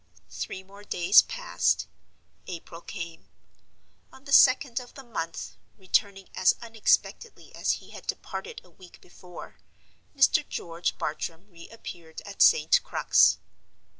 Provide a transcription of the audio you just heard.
Three more days passed—April came. On the second of the month —returning as unexpectedly as he had departed a week before—Mr. George Bartram re appeared at St. Crux.